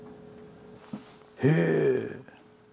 へえ。